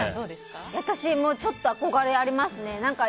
私もちょっと憧れありますね。